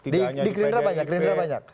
di gerindra banyak